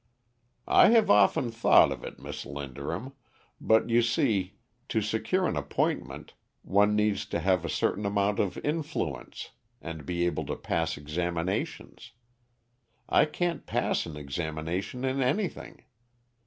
"I have often thought of it, Miss Linderham, but you see, to secure an appointment, one needs to have a certain amount of influence, and be able to pass examinations, I can't pass an examination in anything.